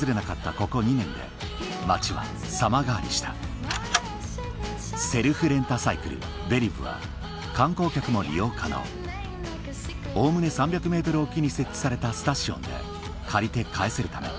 ここ２年で街は様変わりしたセルフレンタサイクル「ヴェリブ」は観光客も利用可能おおむね３００ｍおきに設置されたスタシオンで借りて返せるため